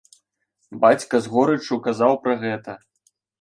Бацька з горыччу казаў пра гэта.